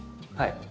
はい。